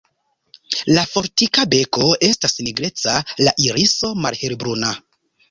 La fortika beko estas nigreca, la iriso malhelbruna.